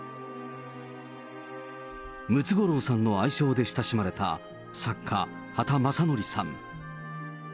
ムツゴロウさんの愛称で親しまれた作家、畑正憲さん。